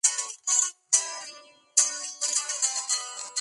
Tuvieron dos hijas María Luisa y María Concepción.